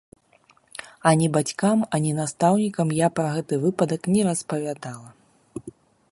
Ані бацькам, ані настаўнікам я пра гэты выпадак не распавядала.